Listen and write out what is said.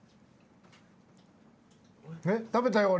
食べたよ俺。